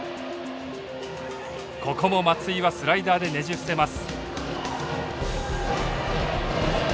ここも松井はスライダーでねじ伏せます。